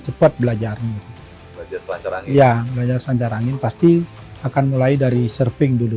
cepat belajarnya belajar selancar angin pasti akan mulai dari surfing dulu gitu ya belajar selancar angin pasti akan mulai dari surfing dulu